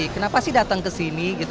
kenapa sih datang ke sini gitu